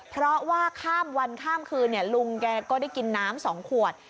เพราะว่าข้ามวันข้ามคืนลุงแกก็ได้กินน้ำ๒ขวด